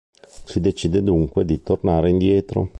Si decide dunque di tornare indietro.